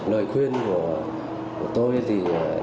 lời khuyên của tôi thì